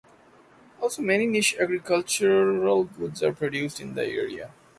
Also many niche agricultural goods are produced in this area.